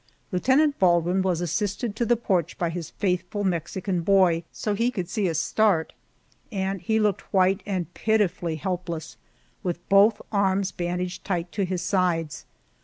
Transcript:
Lieutenant Baldwin was assisted to the porch by his faithful Mexican boy, so he could see us start, and he looked white and pitifully helpless, with both arms bandaged tight to his sides.